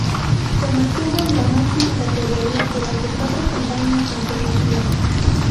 Se mantuvo en la máxima categoría durante cuatro campañas consecutivas.